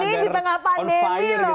di tengah pandemi loh